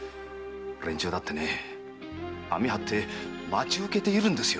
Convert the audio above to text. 連中だって網張って待ち受けているんですよ。